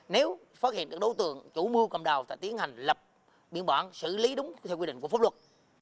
nếu phát hiện được đối tượng chủ mưu cầm đào sẽ tiến hành lập biên bản xử lý đúng theo quy định của pháp luật